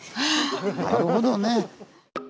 なるほどね。